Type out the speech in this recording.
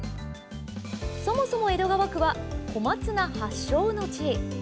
そもそも江戸川区は小松菜発祥の地。